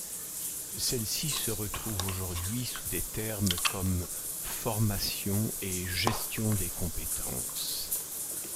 Celles-ci se retrouvent aujourd'hui sous des termes comme formation et gestion des compétences.